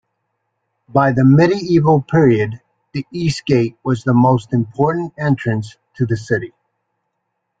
By the medieval period the Eastgate was the most important entrance to the city.